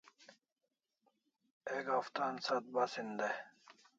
Ek haftan sat bas hin day